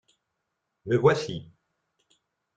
Me voici.